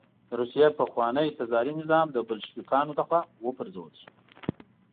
د روسیې پخوانی تزاري نظام د بلشویکانو له خوا وپرځول شو